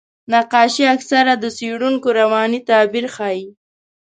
نقاشي اکثره د څېړونکو رواني تعبیر ښيي.